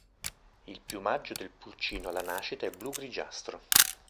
Il piumaggio del pulcino alla nascita è blu-grigiastro.